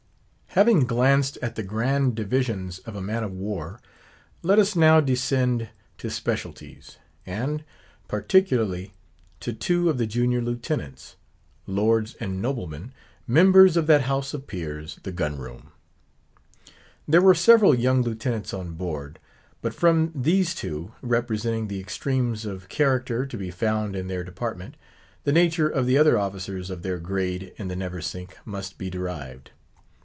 Having glanced at the grand divisions of a man of war, let us now descend to specialities: and, particularly, to two of the junior lieutenants; lords and noblemen; members of that House of Peers, the gun room. There were several young lieutenants on board; but from these two—representing the extremes of character to be found in their department—the nature of the other officers of their grade in the Neversink must be derived.